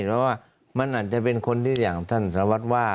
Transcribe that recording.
เพราะว่ามันอาจจะเป็นคนที่อย่างท่านสารวัตรว่า